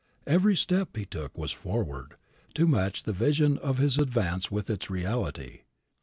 Every step he took was forward, to match the vision of his advance with its reality.